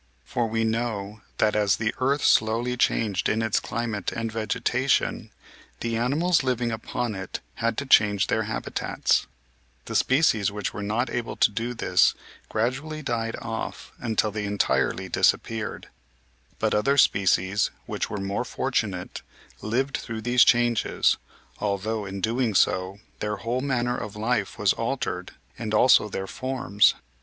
For we know that as the earth slowly changed in its climate and vegeta tion, the animals living upon it had to change their habits. The species which were not able to do this gradually died off until they entirely 68 MIGHTY ANIMALS disappeared. But other species which were more fortunate lived through these changes, although, in doing so, their whole manner of life was altered and also their forms.